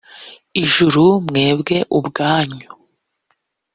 ijuru mwebwe ubwanyu